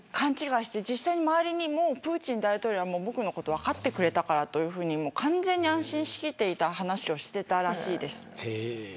実際に周りにもプーチン大統領は僕のことを分かってくれたと完全に安心しきっていた話をしていたらしいです。